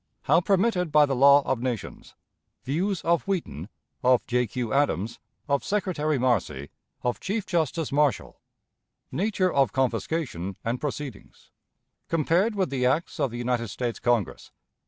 How permitted by the Law of Nations. Views of Wheaton; of J. Q. Adams; of Secretary Marcy; of Chief Justice Marshall. Nature of Confiscation and Proceedings. Compared with the Acts of the United States Congress.